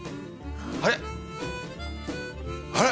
あれ？